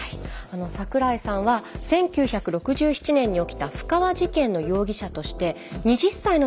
桜井さんは１９６７年に起きた布川事件の容疑者として２０歳のときに逮捕されました。